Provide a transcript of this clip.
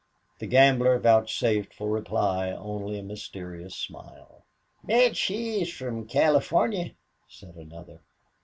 The gambler vouchsafed for reply only a mysterious smile. "Bet she's from California," said another.